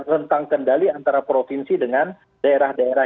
rentang kendali antara provinsi dengan daerah daerah